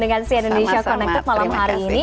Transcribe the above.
dengan cn indonesia connected malam hari ini